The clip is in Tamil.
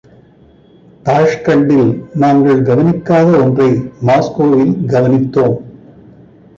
தாஷ்கண்டில் நாங்கள் கவனிக்காத ஒன்றை மாஸ்கோவில் கவனிக்தோம்.